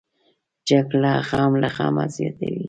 جګړه غم له غمه زیاتوي